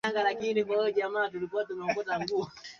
na pengine mataifa tofauti yamekuwa yakishagaa na jinsi anavyoenda